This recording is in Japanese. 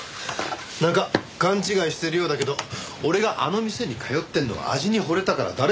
なんか勘違いしてるようだけど俺があの店に通ってるのは味に惚れたから。